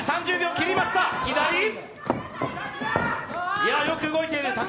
いや、よく動いている。